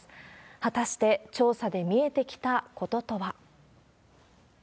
果たして調査で見えてきたこととは。